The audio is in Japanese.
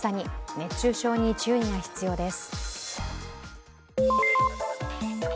熱中症に注意が必要です。